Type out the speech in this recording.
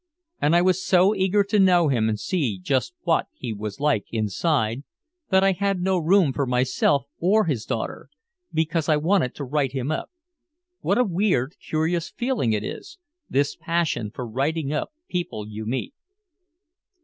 And I was so eager to know him and see just what he was like inside, that I had no room for myself or his daughter because I wanted to write him up. What a weird, curious feeling it is, this passion for writing up people you meet.